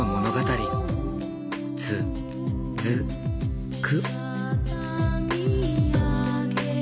つづく。